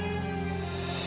dia sedang sakit